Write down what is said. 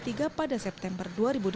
pada september dua ribu delapan belas